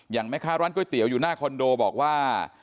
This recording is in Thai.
แม่ค้าร้านก๋วยเตี๋ยวอยู่หน้าคอนโดบอกว่า